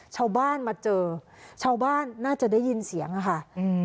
ชาวบ้านมาเจอชาวบ้านน่าจะได้ยินเสียงอะค่ะอืม